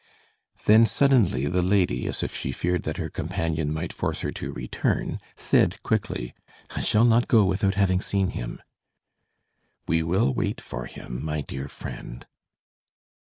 Then suddenly the lady, as if she feared that her companion might force her to return, said quickly: "I shall not go without having seen him." "We will wait for him, my dear friend."